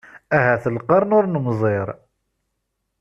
Ahat lqern ur nemmẓir!